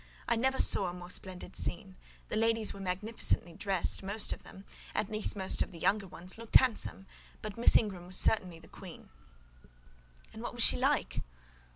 I never saw a more splendid scene: the ladies were magnificently dressed; most of them—at least most of the younger ones—looked handsome; but Miss Ingram was certainly the queen." "And what was she like?"